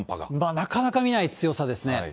なかなか見ない強さですね。